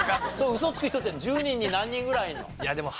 ウソつく人って１０人に何人ぐらいいるの？